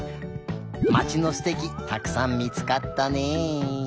まちのすてきたくさん見つかったね。